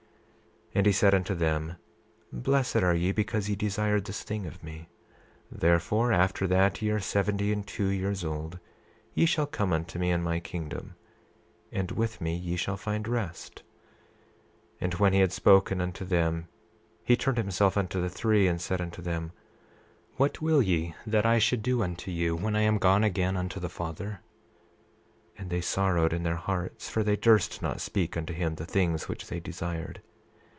28:3 And he said unto them: Blessed are ye because ye desired this thing of me; therefore, after that ye are seventy and two years old ye shall come unto me in my kingdom; and with me ye shall find rest. 28:4 And when he had spoken unto them, he turned himself unto the three, and said unto them: What will ye that I should do unto you, when I am gone unto the Father? 28:5 And they sorrowed in their hearts, for they durst not speak unto him the things which they desired.